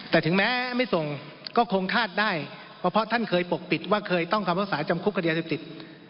แต่ถึงแม้ไม่ส่งก็คงคาดได้เพราะท่านเคยปกปิดว่าเคยต้องคำภาษาจำคุกคดียาเสพติด